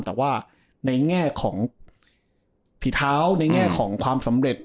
แต่ว่าในแง่ของฝีเท้าในแง่ของความสำเร็จ